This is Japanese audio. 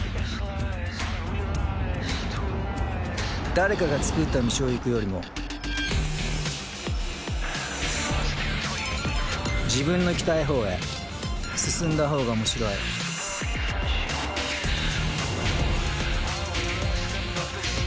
誰かがつくった道を行くよりも自分の行きたい方へ進んだ方がおもしろいニュー「ヴェルファイア」